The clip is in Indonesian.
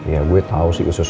ya gue tau sih gue susah susah